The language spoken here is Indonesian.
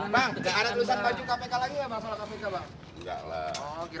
pak tidak ada tulisan baju kpk lagi ya pak